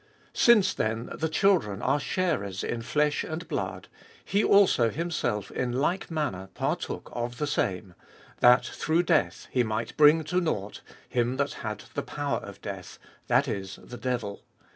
Since then the children are sharers in flesh and blood, he also him self in like manner partook of the same ; that through death he might bring to nought him that had the power of death, that is, the devil ; 15.